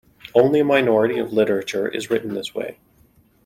Only a minority of literature is written this way.